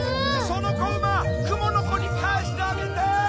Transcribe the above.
そのこうまくものコにかえしてあげて！